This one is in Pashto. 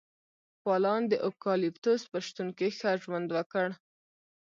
کوالان د اوکالیپتوس په شتون کې ښه ژوند وکړ.